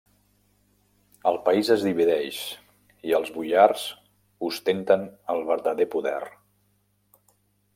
El país es divideix i els boiars ostenten el verdader poder.